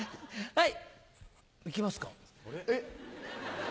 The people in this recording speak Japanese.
はい。